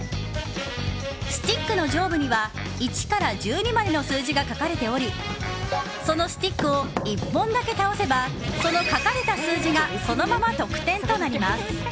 スティックの上部には１から１２までの数字が書かれておりそのスティックを１本だけ倒せばその書かれた数字がそのまま得点となります。